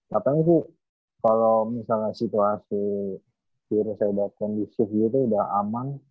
katanya sih kalo misalnya situasi kira kira kondisi itu udah aman